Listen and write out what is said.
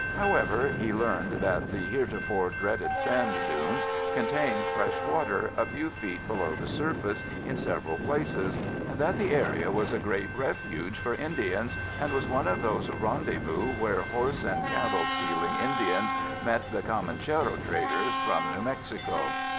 However, he learned that the heretofore dreaded sand dunes contained fresh water a few feet below the surface in several places, and that the area was a great refuge for Indians and was one of those rendezvous where horse and cattle stealing Indians met the Comanchero traders from New Mexico.